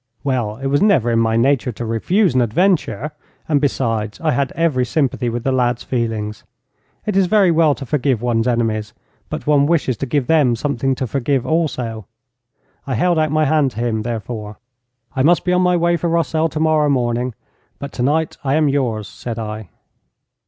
Well, it was never in my nature to refuse an adventure, and, besides, I had every sympathy with the lad's feelings. It is very well to forgive one's enemies, but one wishes to give them something to forgive also. I held out my hand to him, therefore. 'I must be on my way for Rossel tomorrow morning, but tonight I am yours,' said I.